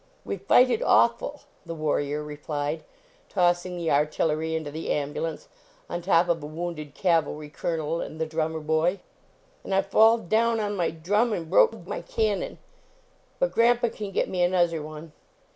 We fighted awful," the warrior replied, tossing the artillery into the ambulance on top of a wounded cavalry colonel and the drummer boy, " an I failed down on my drum and broked my cannon, but grampa can get me annuzzer one.